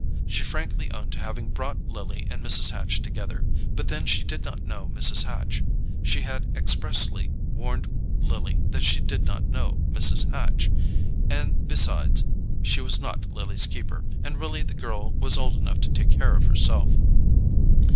She frankly owned to having brought Lily and Mrs. Hatch together, but then she did not know Mrs. Hatch—she had expressly warned Lily that she did not know Mrs. Hatch—and besides, she was not Lily's keeper, and really the girl was old enough to take care of herself.